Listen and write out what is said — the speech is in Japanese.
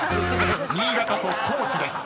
［新潟と高知です］